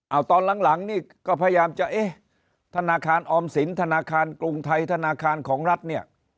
เอาตอนหลังนี่ก็พยายามจะเอ๊ะธนาคารออมสินธนาคารกรุงไทยธนาคารของรัฐเนี่ย